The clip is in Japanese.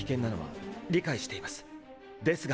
ですが